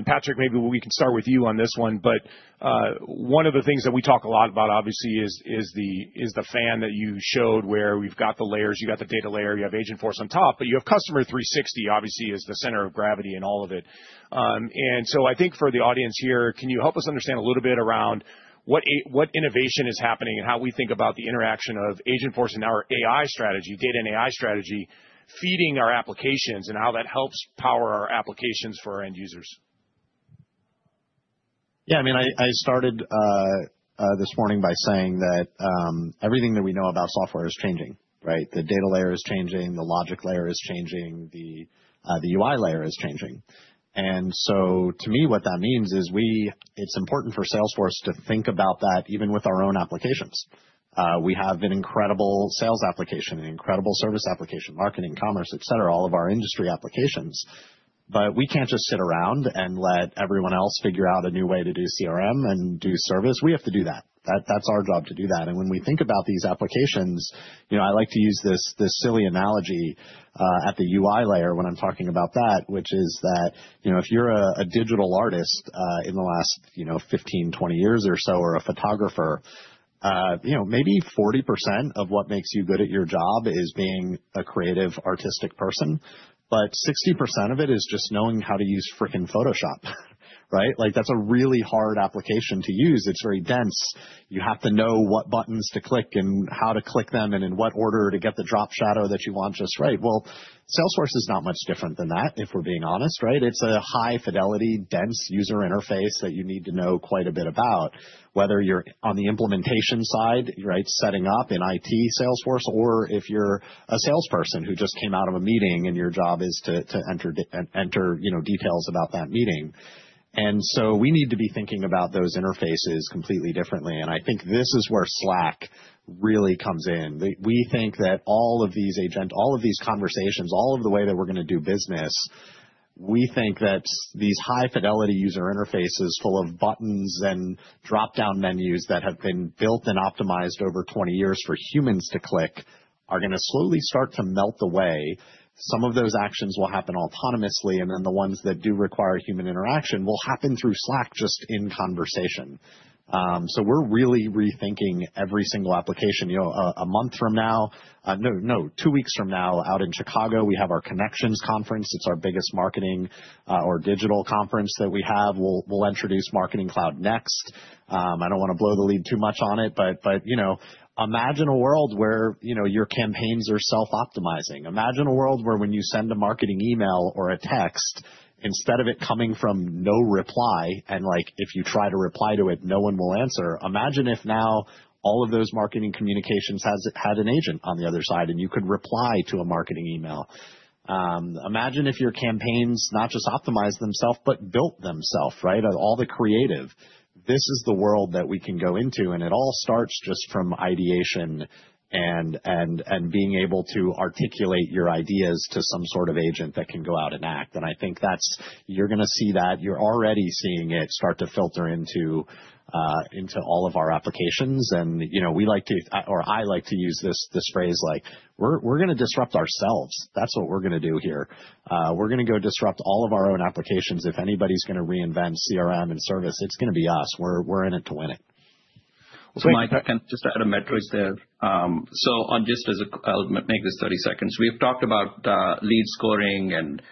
S1: Patrick, maybe we can start with you on this one. One of the things that we talk a lot about, obviously, is the fan that you showed where we've got the layers. You've got the data layer. You have Agentforce on top. You have Customer 360, obviously, as the center of gravity in all of it. I think for the audience here, can you help us understand a little bit around what innovation is happening and how we think about the interaction of Agentforce and our AI strategy, data and AI strategy, feeding our applications and how that helps power our applications for our end users?
S6: Yeah, I mean, I started this morning by saying that everything that we know about software is changing. The data layer is changing. The logic layer is changing. The UI layer is changing. To me, what that means is it's important for Salesforce to think about that even with our own applications. We have an incredible sales application, an incredible service application, marketing, commerce, et cetera, all of our industry applications. We can't just sit around and let everyone else figure out a new way to do CRM and do service. We have to do that. That's our job to do that. When we think about these applications, I like to use this silly analogy at the UI layer when I'm talking about that, which is that if you're a digital artist in the last 15, 20 years or so or a photographer, maybe 40% of what makes you good at your job is being a creative, artistic person. But 60% of it is just knowing how to use fricking Photoshop. That's a really hard application to use. It's very dense. You have to know what buttons to click and how to click them and in what order to get the drop shadow that you want just right. Salesforce is not much different than that, if we're being honest. It's a high-fidelity, dense user interface that you need to know quite a bit about, whether you're on the implementation side, setting up in IT Salesforce, or if you're a salesperson who just came out of a meeting and your job is to enter details about that meeting. We need to be thinking about those interfaces completely differently. I think this is where Slack really comes in. We think that all of these agents, all of these conversations, all of the way that we're going to do business, we think that these high-fidelity user interfaces full of buttons and drop-down menus that have been built and optimized over 20 years for humans to click are going to slowly start to melt away. Some of those actions will happen autonomously. The ones that do require human interaction will happen through Slack just in conversation. We're really rethinking every single application a month from now. No, two weeks from now out in Chicago, we have our Connections Conference. It's our biggest marketing or digital conference that we have. We'll introduce Marketing Cloud Next. I don't want to blow the lead too much on it. Imagine a world where your campaigns are self-optimizing. Imagine a world where when you send a marketing email or a text, instead of it coming from no reply and if you try to reply to it, no one will answer, imagine if now all of those marketing communications had an agent on the other side and you could reply to a marketing email. Imagine if your campaigns not just optimized themself, but built themself, all the creative. This is the world that we can go into. It all starts just from ideation and being able to articulate your ideas to some sort of agent that can go out and act. I think you're going to see that. You're already seeing it start to filter into all of our applications. I like to use this phrase like, we're going to disrupt ourselves. That's what we're going to do here. We're going to go disrupt all of our own applications. If anybody's going to reinvent CRM and service, it's going to be us. We're in it to win it.
S5: Just to add a metric there. Just as a, I'll make this 30 seconds. We have talked about lead scoring and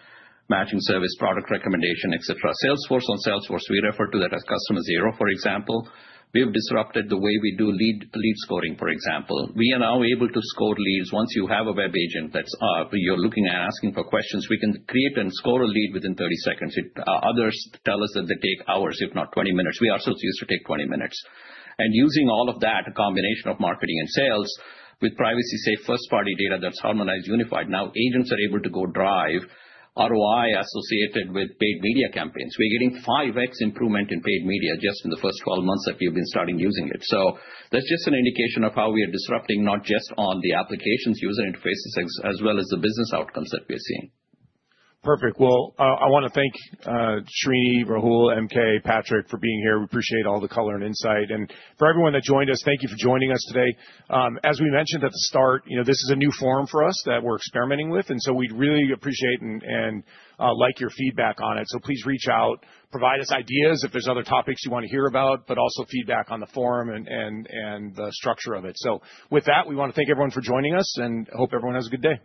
S5: matching service product recommendation, et cetera. Salesforce on Salesforce, we refer to that as Customer Zero, for example. We have disrupted the way we do lead scoring, for example. We are now able to score leads. Once you have a web agent that you're looking at asking for questions, we can create and score a lead within 30 seconds. Others tell us that they take hours, if not 20 minutes. We are so used to take 20 minutes. Using all of that, a combination of marketing and sales with privacy-safe first-party data that's harmonized, unified, now agents are able to go drive ROI associated with paid media campaigns. We're getting 5x improvement in paid media just in the first 12 months that we've been starting using it. That's just an indication of how we are disrupting not just all the applications, user interfaces, as well as the business outcomes that we're seeing.
S1: Perfect. I want to thank Srini, Rahul, MK, Patrick for being here. We appreciate all the color and insight. For everyone that joined us, thank you for joining us today. As we mentioned at the start, this is a new forum for us that we are experimenting with. We would really appreciate and like your feedback on it. Please reach out, provide us ideas if there are other topics you want to hear about, but also feedback on the forum and the structure of it. With that, we want to thank everyone for joining us and hope everyone has a good day.